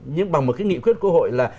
nhưng bằng một cái nghị quyết quốc hội là